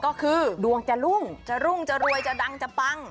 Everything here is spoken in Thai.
ก็คือดวงจะรุ่งจะรุ่งจะรวยจะดังจะปัง